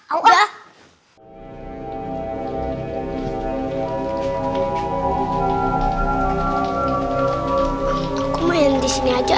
aku main disini aja